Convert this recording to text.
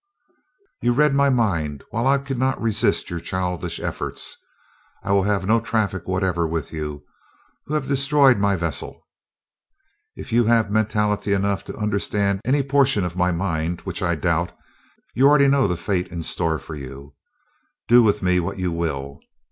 "You read my mind while I could not resist your childish efforts. I will have no traffic whatever with you who have destroyed my vessel. If you have mentality enough to understand any portion of my mind which I doubt you already know the fate in store for you. Do with me what you will."